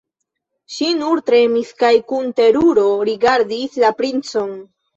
Ŝi nur tremis kaj kun teruro rigardis la princon.